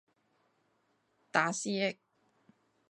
打思噎